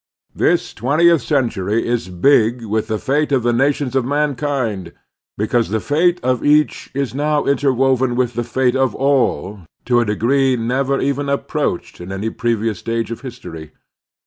This twentieth centtuy is big with the fate of the nations of mankind, because the fate of each is now interwoven with the fate of all to a degree never even approached in any previous stage of history.